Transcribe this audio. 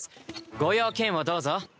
ご用件をどうぞ。